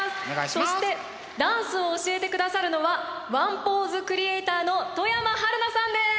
そしてダンスを教えてくださるのはワンポーズクリエイターの外山晴菜さんです。